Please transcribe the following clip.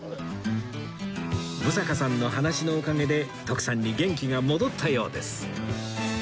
六平さんの話のおかげで徳さんに元気が戻ったようです